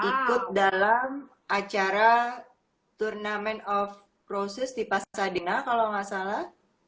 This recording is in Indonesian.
ikut dalam acara turnamen of cross di pasadena kalau nggak salah